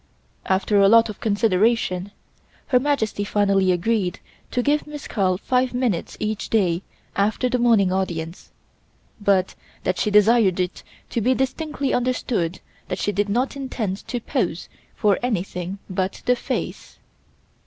After a lot of consideration Her Majesty finally agreed to give Miss Carl five minutes each day after the morning audience, but that she desired it to be distinctly understood that she did not intend to pose for anything but the face.